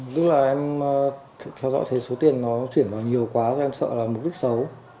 tức là em theo dõi thấy số tiền nó chuyển vào nhiều quá và em sợ là mục đích xấu